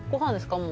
もう。